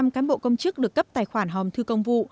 một trăm linh cán bộ công chức được cấp tài khoản hòm thư công vụ